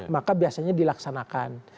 maka biasanya dilaksanakan